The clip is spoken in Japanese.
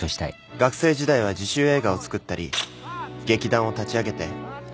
学生時代は自主映画を作ったり劇団を立ち上げて俳優もやってたらしい。